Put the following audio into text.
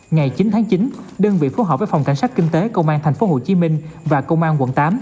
ngày chín tháng chín đơn vị phối hợp với phòng cảnh sát kinh tế công an tp hcm và công an quận tám